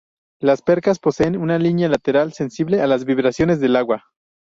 Las percas poseen una línea lateral sensible a las vibraciones del agua.